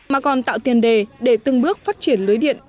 mà còn tạo tiền đề để từng bước phát triển lưới điện